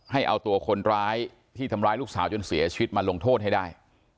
ให้เอาตัวคนร้ายที่ทำร้ายลูกสาวจนเสียชีวิตมาลงโทษให้ได้